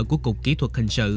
của cục kỹ thuật hình sự